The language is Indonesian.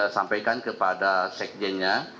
sampaikan kepada sekjennya